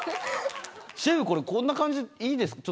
シェフこれこんな感じでいいですか？